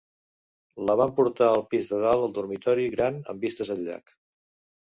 La van portar al pis de dalt al dormitori gran amb vistes al llac.